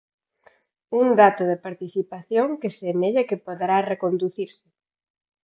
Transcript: Un dato de participación que semella que poderá reconducirse.